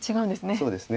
そうですね。